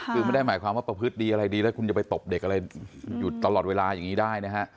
คือไม่ได้หมายความว่าประพฤติดีอะไรดีแล้วคุณจะไปตบเด็กอะไรอยู่ตลอดเวลาอย่างนี้ได้นะฮะ